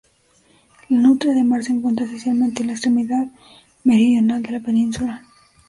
La nutria de mar se encuentra esencialmente en la extremidad meridional de la península.